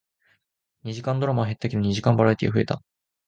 二時間ドラマは減ったけど、二時間バラエティーは増えた